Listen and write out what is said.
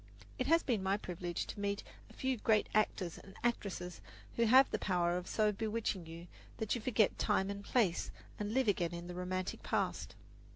It has been my privilege to meet a few great actors and actresses who have the power of so bewitching you that you forget time and place and live again in the romantic past.